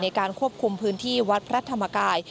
ในการควบคุมพื้นที่วัดพระธรรมกาย